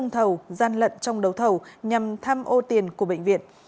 đầu gian lận trong đầu thầu nhằm tham ô tiền của bệnh viện